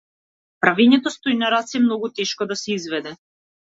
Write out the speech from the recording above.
Правењето стој на раце е многу тешко да се изведе.